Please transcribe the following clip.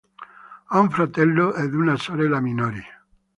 Ha un fratello ed una sorella minori.